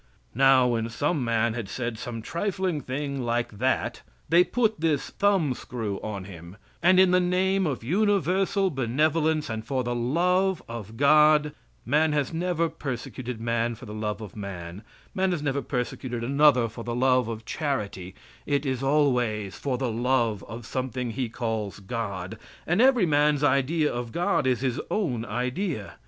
Now, when some man had said some trifling thing like that, they put this thumb screw on him, and in the name of universal benevolence and for the love of God man has never persecuted man for the love of man; man has never persecuted another for the love of charity it is always for the love of something he calls God, and every man's idea of God is his own idea.